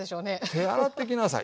「手洗ってきなさい」。